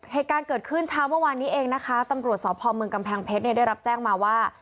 เหตุการณ์เกิดขึ้นเช้าเมื่อวานนี้เองนะคะตำรวจสพเมืองกำแพงเพชรเนี่ยได้รับแจ้งมาว่า